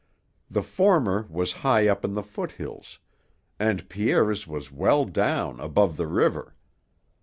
The former was high up on the foothills, and Pierre's was well down, above the river.